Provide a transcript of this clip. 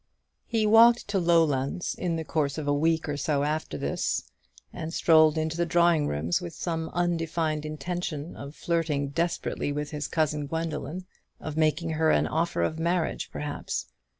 He walked to Lowlands in the course of a week or so after this, and strolled into the drawing rooms with some undefined intention of flirting desperately with his cousin Gwendoline; of making her an offer of marriage, perhaps.